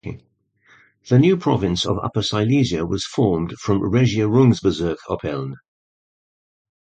The new Province of Upper Silesia was formed from Regierungsbezirk Oppeln.